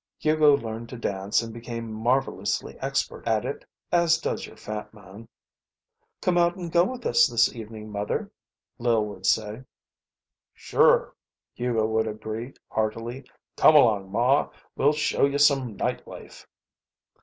Hugo learned to dance and became marvellously expert at it, as does your fat man. "Come on and go out with us this evening, Mother," Lil would say. "Sure!" Hugo would agree, heartily. "Come along, Ma. We'll show you some night life."